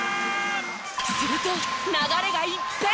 すると流れが一変！